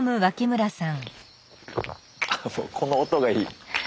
この音がいい。